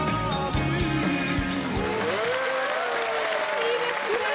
いいですね！